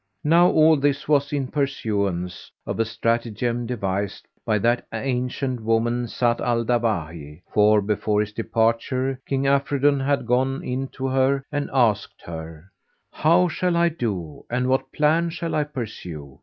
Now all this was in pursuance of a stratagem devised by that ancient woman Zat al Dawahi; for, before his departure, King Afridun had gone in to her and asked her, "How shall I do and what plan shall I pursue?